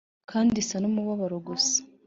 kandi isa numubabaro gusa